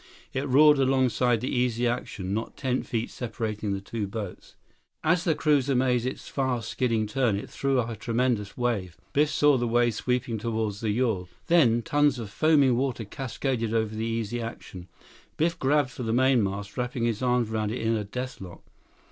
It roared alongside the Easy Action, not ten feet separating the two boats. As the cruiser made its fast, skidding turn, it threw up a tremendous wave. Biff saw the wave sweeping toward the yawl. Then, tons of foaming water cascaded over the Easy Action. Biff grabbed for the mainmast, wrapping his arms around it in a death lock.